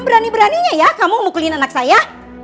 berani beraninya ya kamu mukulin anak saya